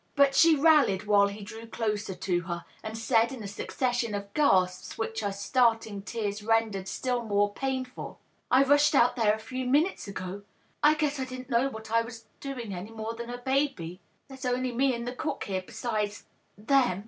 But she ralliei while he drew closer to her, and said in a suc cession of gasps which her starting tears rendered still more painful, —" I rushea out there a few minutes ago — I guess I didn't know what I was doing any more than a baby — ^there's only me and the cook here besides •. them.